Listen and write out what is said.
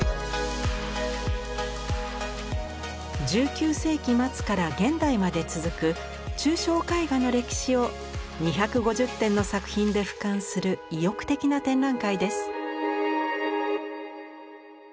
１９世紀末から現代まで続く抽象絵画の歴史を２５０点の作品で俯瞰する意欲的な展覧会です。